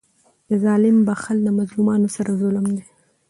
د ظالم بخښل د مظلومانو سره ظلم دئ.